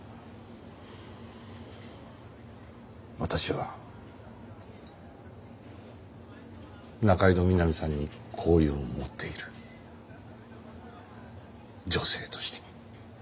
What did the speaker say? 私は仲井戸みなみさんに好意を持っている女性として。